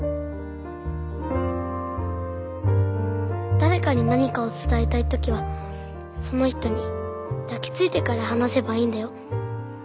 誰かに何かを伝えたい時はその人に抱きついてから話せばいいんだよ。